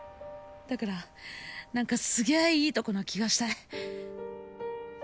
だから何かすげえいいとこな気がして